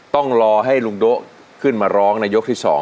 ต้องรอให้ลุงโด๊ะขึ้นมาร้องในยกที่๒